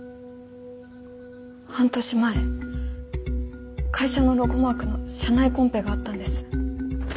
半年前会社のロゴマークの社内コンペがあったんです。